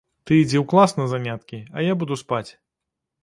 Ты ідзі ў клас на заняткі, а я буду спаць.